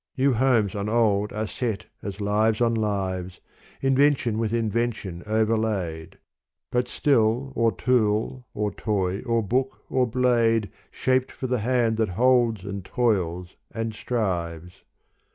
New homes on old are set as lives on lives, Invention with invention overlaid : But still or tool or toy or book or blade Shaped for the hand that holds and toils and strives.